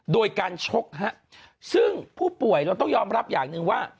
โดยการชกซึ่งผู้ป่วยเราต้องยอมรับอย่างหนึ่งว่า